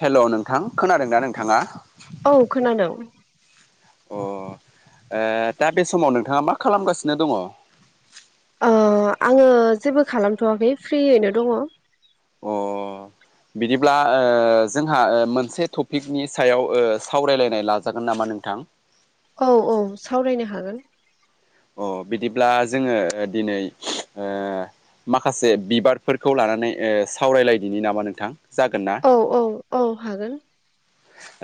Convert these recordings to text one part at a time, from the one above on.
हेल' नोंथां खोनादों दा नोंथाङा औ खोनादों अ ओ दा बे समाव नोंथाङा मा खालामगासिनो दङ? ओ आङो जेबो खालामथ'वाखै फ्रियैनो दङ अ बिदिब्ला ओ जोंहा ओ मोनसे टपिकनि सायाव ओं सावरायलायनाय लाजागोन नामा? नामा नोंथां औ औ सावरायनो हागोन अ बिदिब्ला जोङो दिनै ओ माखासे बिबारफोरखौ लानानै ओ सावरायलायदिनि नामा नोंथां जागोन ना औ औ औ हागोन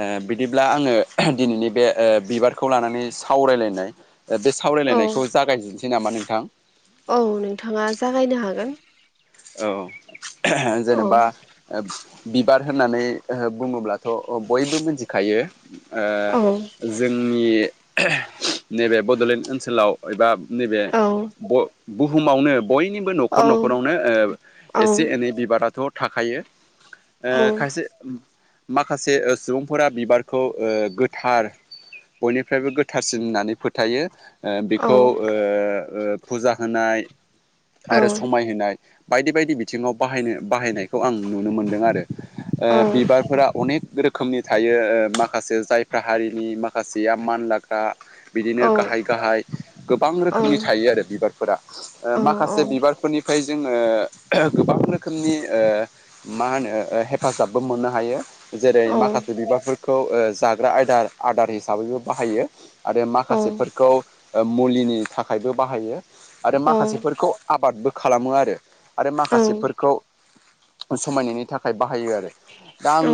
ओ बिदिब्ला आङो दिनैनि बे ओ बिबारखौ लानानै सावरायलायनाय बे औ सावरायलायनायखौ जागायजेनसै नामा नोंथां औ नोंथाङा जागायनो हागोन औ औ जेनेबा ओ बिबार होननानै ओ बुङोब्लाथ' ओं बयबो मोनथिखायो औ ओं जोंनि नैबे बड'लेण्ड ओनसोलाव एबा नैबे औ ब-बुहुमावनो बयनिबो नखर औ नखरावनो ओ औ एसे एनै बिबाराथ' थाखायो ओ औ खायसे माखासे सुबुंफोरा बिबारखौ ओ गोथार बयनिफ्रायबो गोथारसिन होननानै फोथायो ओ औ बेखौ ओ ओ फुजा होनाय आरो औ समायहोनाय बायदि बायदि बिथिङाव बाहायनो बाहायनायखौ आं नुनो मोनदों आरो ओ औ बिबारफोरा अनेक रोखोमनि थायो ओ माखासे जायफ्रा हारिनि माखासेया मानलाग्रा बिदिनो औ गाहाय गाहाय गोबां ओ रोखोमनि थायो आरो बिबारफोरा ओ माखासे बिबारफोरनिफ्राय जोङो गोबां रोखोमनि ओ मा होनो हेफाजाबबो मोननो हायो जेरै माखासे बिबारफोरखौ ओ जाग्रा आयदार आदार हिसाबैबो बाहायो आरो माखासेफोरखौ ओ मुलिनि थाखायबो बाहायो आरो माखासेफोरखौ आबादबो खालामो आरो आरो माखासेफोरखौ समायनायनि थाखाय बाहायो आरो दा आङो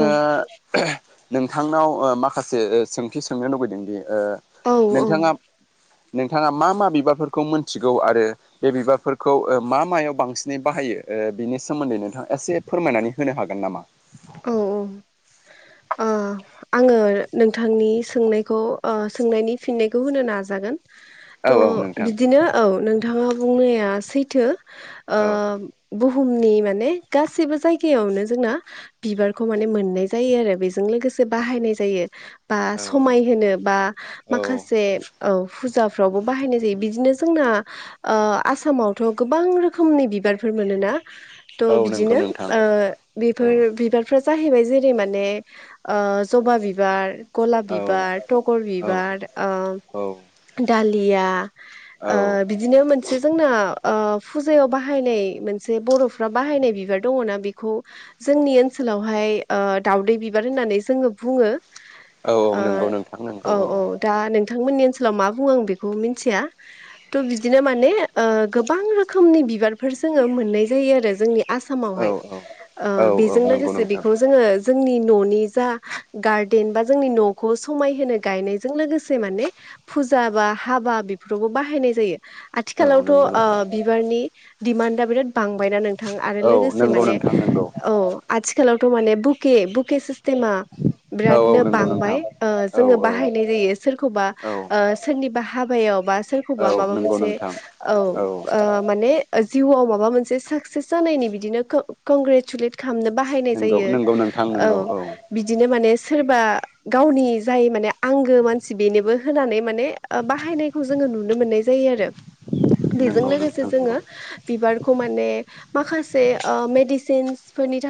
नोंथांनाव ओ माखासे सोंथि सोंनो लुबैदोंदि ओ नोंथाङा नोंथाङा मा मा बिबारफोरखौ मोनथिगौ आरो बे बिबारफोरखौ ओं मा मायाव बांसिनै बाहायो ओं बिनि सोमोन्दै नोंथाङा एसे फोरमायनानै होनो हागोन नामा? ओं आङो नोंथांनि सोंनायखौ ओं सोंनायनि फिननायखौ होनो नाजागोन। औ औ थ' नोंथां बिदिनो औ नोंथाङा बुंनाया सैथो। औ ओं बुहुमनि माने गासिबो जायगायावनो जोंना बिबारखौ माने मोननाय जायो आरो बे बेजों लोगोसे औ बाहायनाय जायो बा औ समायहोनो बा औ माखासे औ फुजा फ्रावबो बाहायनाय जायो बिदिनो जोंना ओं आसामावथ' गोबां रोखोमनि बिबारफोर मोनोना। थ' औ औ नंगौ बिदिनो नोंथां ओं औ बेफोर बिबारफ्रा जाहैबाय जेरै माने ओं जबा बिबार गलाप औ बिबार, थगर औ बिबार, ओं दालिया औ बिदिनो मोनसे जोंना फुजायाव बाहायनाय मोनसे बर'फ्रा बाहायनाय बिबार दङना बेखौ जोंनि ओनोल ओनसोलावहाय दाावदै बिबार होननानै जोङो बुङो औ औ नंगौ नोंथां नंगौ औ बिथांमोननि ओनसोलाव मा बुङो आं बेखौ मिथिया थह बिदिनो माने गोबां रोखोमनि बिबारफोर जोङो मोननाय जायो आरो जोंनि औ आसामावहाय औ औ बेजों नंगौ लोगोसे नोंथां बेखौ जोङो जोंनि न'नि जा ग बा जोंनि न'खौ ग म बा हाबा ब ज औ आथिाल नंगौ नोंथां बिनि दा बिराद बांबायना नोंथां आरो औ लोगोसे नंगौ माने नोंथां नंगौ औ आथिखालावथ' माने बुक बक [unintelligible] औ औ बिरादनो नंगौ बांबाय नोंथां औ जों औ बाहायनाय जायो सोरखौबा औ ओ सोरनिबा हाब हाबायाव बा औ सोरखौबा माबा नंगौ मोनसे नोंथां औ माने जिउआव माबा मोनसे साकसेस जानायनि बिदिनो कंग्रेसुलेट बाहायनाय नंगौ जायो नंगौ नोंथां नंगौ औ बिदिनो माने सो सोरबा गावनि जाय माने आंगो मानसि बेनोबो होनानै माने बाहायनायखौ जोङो नुनो मोननाय जायो आरो बेजों नंगौ लोगोसे नोंथां नंगौ जोङो बिबारखौ माने माखासे मेडिसिन्स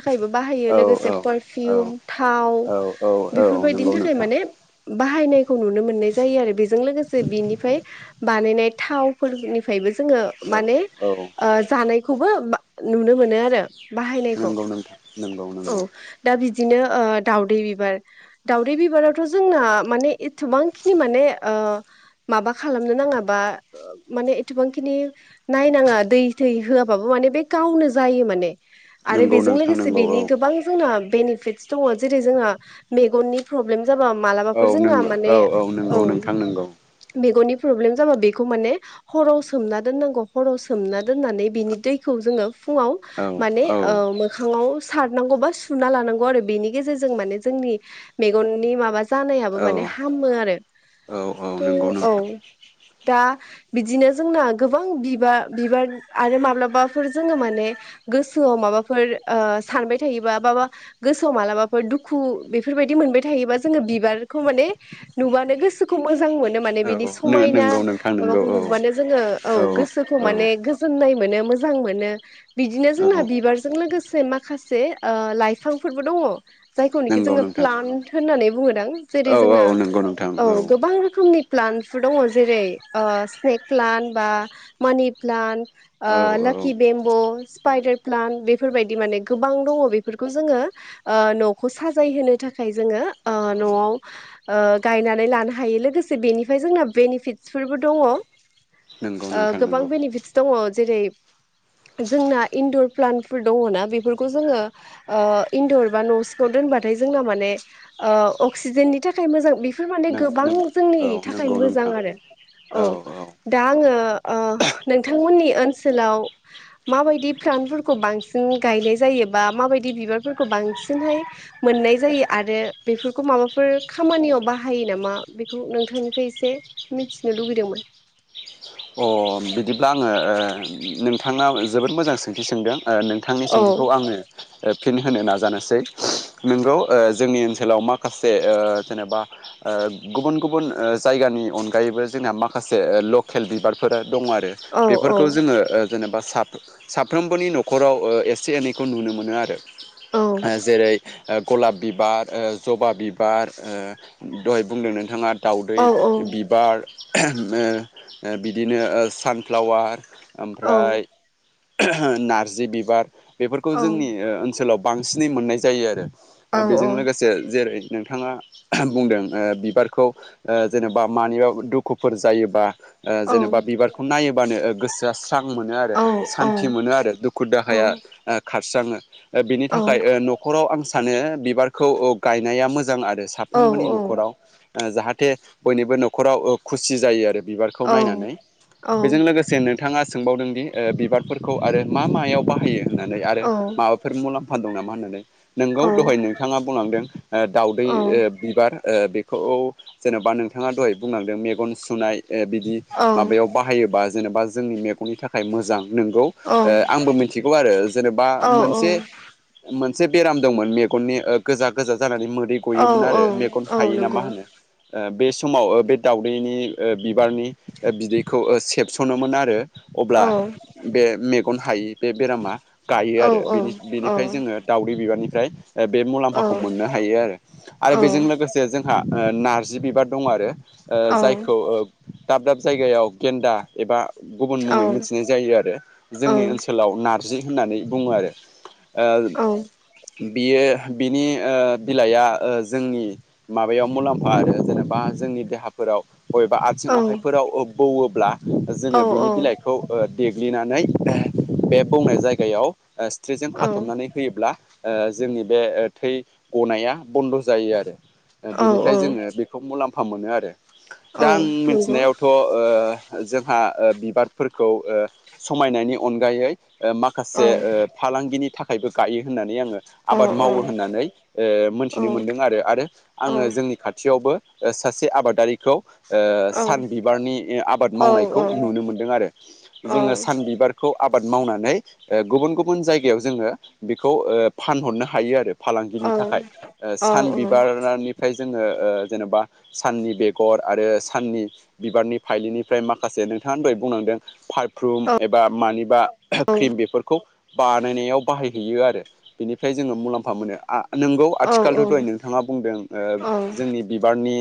थाखायबो बाहायो औ लोगोसे औ पारफिउम औ थाव औ औ औ बेफोरबायदिनि नंगौ थाखाय नोंथां माने बाहायनायखौ नुनो मोननाय जायो आरो बेजों लोगोसे बिनिफ्राय बानायनाय थावफोरनिफ्रायबो जोङो औ माने औ जानाय खौबो नुनो मोनो आरो ब नंगौ नोंथां नंगौ औ नंगौ दा बि बिदिनो दाउदै बिबार दाउदै बिबारावथ' जोंना माने एसेबांखिनि माने माबा खालामनो नाङाबा माने एसेबांखिनि नायनाङा दै थ होआबाबो माने बे गावनो जायो माने आरो नंगौ बेजों नोंथां लोगोसे नंगौ औ बेनि गोबां जोंना बेनिफिटस दङ जेरै जोंहा मेगननि प्रब्लेम जाबा मालाबाफोर औ जोंना नंगौ माने औ औ नंगौ नोंथां नंगौ मेगननि प्रब्लेम जाबा बेखौ माने हराव सोमना दोननांगौ हराव सोमना दोननानै बिनि दैखौ जोङो फुङाव औ माने औ मोखाङाव सारनांगौ बा सुना लानांगौ आरो बेनि गेजेरजों म जोंनि मेगननि मा जानायाबो औ माने हामो आरो औ औ थ' नंगौ औ नोंथां दा बिदिनो जोंना गोबां बिबार बिबार आरो माब्लाबाफोर जोङो माने गोसो गोसोआव माबाफोर सानबाय थायोबा माबा गोसोआव मालाबाफोर दुखु बेफोरबायदि मोनबाय थायो एबा जोङो बिबार खौ माने नुब्लानो गोसोखौ मोज मोजां मोनो माने औ बिदि समायना नंगौ नोंथां नंगौ माबाखौ औ नुबानो जोङो औ गोसोखौ औ माने गोजोन्नाय मोनो मो मोजां मोनो बिदिनो जोंना औ बिबारजों लोगोसे माखासे लाइफांफोरबो दङ जायखौनोखि नंगौ जोङो नोंथां प्लान्ट होननानै बुङोदां जेरै औ औ जोंना नंगौ नोंथां औ गोबां रोखोमनि प्लान्टफोर दङ जेरै स्नेक प्लान्ट बा मानि प्लान्ट ओ औ औ लाकि बेम्ब' स्पाइदार प्लान्ट बेफोरबायदि माने गोबां दङ बेफोरखौ जोङो ओ न'खौ साजायहोनो थाखाय जोङो ओ औ न'आव ओ गायनानै लानो हायो लोगोसे बेनिफ्राय जोंना बेनिफिट्सफोरबो दङ ओ नंगौ नोंथां गोबां नंगौ बेनिफिटस दङ जेरै- जोंना इनन्दर प्लान्टफोर दङना बेफोरखौ जोङो ओ इन्दर बा न' सिङाव दोनबाथाय जोंना माने ओ अक्सिजेननि थाखाय मोजां बेफोर माने नों गोबां नों जोंनि औ थाखाय नंगौ मोजां नोंथां आरो औ दा आङो ओ नोंथांमोननि ओनसोलाव माबायदि फ्लान फोरखौ बांसिन गायनाय जायो बा माबायदि बिबारफोरखौ बांसिनहाय मोननाय जायो आरो आरो बेफोरखौ माबाफोर खामानियाव बाहायो नामा बेखौ नोंथांनिफ्राय एसे मिथिनो लुबैयो मोन अ बिदिब्ला आङो नोंथाङा जोबोद मोजां सोंथि सोंदों नोंथांनि औ सोंथिखौ आंनो फिन होनो नाजानोसै नोंगौ जोंनि ओनसोलाव माखासे जेनेबा गुबुन गुबुन जायगानि अनगायैबो जोंनाहा माखासे खेल बिबारफोरा दं आरो औ औ बेफोरखौ जोङो जेनेबा सा साफ्रोमबोनि न'खराव एसे एनैखौ नुनो मोनो आरो औ जेरै गलाब बिबार जबा बिबार दहाय बुंदों नोंथाङा दाउदै औ बिबार बिदिनो सानफ्लावार औ ओमफ्राय नारजि बिबार बेफोरखौ औ जोंनि ओनसोलाव बांसिनै मोननाय जायो आरो औ बेजों लोगोसे जेरै नोंथाङा बुंदों बिबारखौ जेनेबा मानिबा दुखुफोर जायोबा जेनेबा बिबारखौ नायोबानो गोसोआ स्रां मोनो आरो सान्थि मोनो आरो दुखु दाहाया खारस्राङो बिनि थाखाय न'खराव आं सानो बिबारखौ गायनाया मोजां आरो साफ्रोमबोनि न'खराव जाहाथे बयनिबो न'खराव खुसि जायो आरो खौ नायनानै बेजों लोगोसेनो नोंथाङा सोंबावदोंदि बिबारफोरखौ आरो मा मायाव बाहायो होननानै आरो माबाफोर मुलाम दं नामा होननानै नोंगौ दहाय नोंथाङा बुंलांदों दाउदै बिबार खौ जेन'बा नोंथाङा दहाय बुंलांदों मेगन सुनाय बि माबायाव बाहायोबा जेनेबा जोंनि मेगननि थाखाय मोजां नोंगौ आंबो मिथिगौ आरो जेनेबा मोनसे एसे बेराम दंमोन मेगननि गोजा गोजा जानानै मोदै औ गयोमोन आरो मेगन औ हायो ना मा नंगौ होनो बे समाव बे दावउदैनि बिबारनि बिदैखौ सेबस'नोमोन आरो अब्ला औ बे मेगन हायि बे बेरामा गायो औ नंगौ औ आरोनि औ बेनिफ्राय जोङो औ दाउदै बिबारनिफ्राय फ्राय बे मुलाम्फाखौ औ मोननो हायो आरो आरो बेजों लोगोसे जों जोंहा नार्जि बिबार दं आरो जायखौ दाब दाब जायगायाव गेन्दा एबा गुबुन मुङै मिथिनाय जायो आरो जोंनि ओनसोलाव नार जि होननानै बुङो आरो बियो बिनि बिलाइआ जोंनि माबायाव मुलाम्फा आरो जेनेबा जोंनि देहाफोराव बबेबा आथिं आखाइ बौवोब्ला जोङो बिनि बिलाइखौ देग्लिनानै बे बनाय जायगायाव सिथ्रिजों खाथबनानै होयोब्ला जोंनि बे थै गनाया बन्द' जायो आरो बिनिफ्राय जोङो बेखौ मुलाम्फा मोनो आरो दा आं मिथिनायाव थ' जोंहा बिबारफोरखौ समायनायनि अनगायै माखासे फालांगिनि थाखायबो गायो होननानै आङो आबाद मावो होननानै मोनथिनो मोनदों आरो आरो आङो जोंनि खाथियावबो सासे आबादारिखौ सान बिबारनि आबाद मावनायखौ नुनो मोनदों आरो जोङो सान बिबारखौ आबाद मावनानै गुबुन गुबुन जायगायाव जोङो बेखौ फानहरनो हायो आरो फालांगिनि थाखाय सान बिबारनिफ्राय जोङो जेनेबा साननि बेगर आरो साननि बिबारनि फाइलिनिफ्राय माखासे नोंथाङफ्रायै बुंनांदों औ पारफ्रुम एबा मानिबा औ औ क्रिम बेफोरखौ बानायनायाव बाहायहैयो आरो बेनिफ्राय जोङो मुलाम्फा मोनो नोंगौ औ आथिखालथ' दहाय नोंथाङा बुंदों ओ जोंनि बिबारनि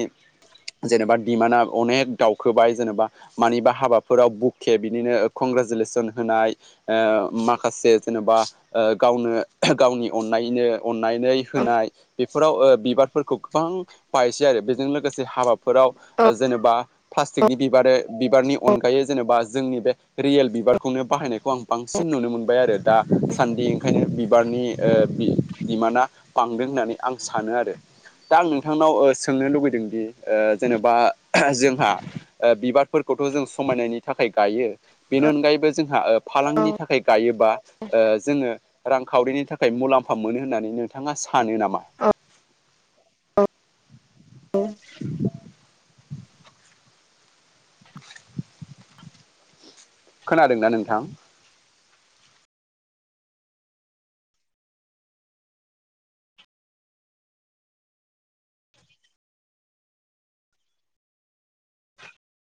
जेनेबा दिमाना अनेक दावउखोबाय जेनेबा मानिबा हाबाफोराव बुखे बिदिनो कंग्रेसुलेसन होनाय ओ अ माखासे जेनेबा ओ गावनो गावनि अननायनो अननायनै औ होनाय बि फोराव ओ बिबारफोरखौ गोबां बायसै आरो बेजों लोगोसे हाबाफोराव ओ जेनेबा प्लास्टिकनि बिबारो बिबारनि अनगायै जेनेबा जोंनि बे रियेल बिबारखौनो बाहायनायखौ आं बांसिन नुनो मोनबाय आरो दा सान्दि ओंखायनो बिबार नि ओ बि दिमाना बांदों होननानै आं सानो आरो दा आं नोंथांनाव ओ सोंनो लुुबैदों दि जेनेबा जोंहा ओ बिबारफोरखौथ' जों समायनायनि थाखाय गायो बेनि अनगायैबो जोंहा ओ फालांगनि थाखाय गायोबा ओ जोङो रांखावरिनि थाखाय मुलाम्फा मोनो होन्नानै नोंथाङा सा सानो नामा [inaudible] औ औ खोनादोंना नोंथां? [inaudible]